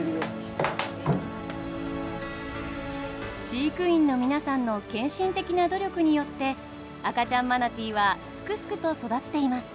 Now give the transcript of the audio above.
飼育員の皆さんの献身的な努力によって赤ちゃんマナティーはすくすくと育っています。